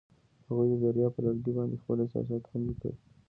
هغوی د دریا پر لرګي باندې خپل احساسات هم لیکل.